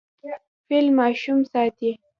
فیل ماشوم ساتي.